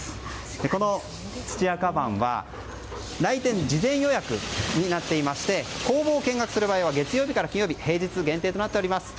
この土屋鞄は来店は事前予約になっていまして工房見学する場合は月曜日から金曜日平日限定となっております。